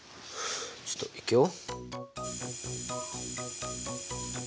ちょっといくよ。